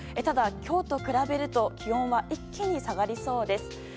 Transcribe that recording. ただ今日と比べると気温は一気に下がりそうです。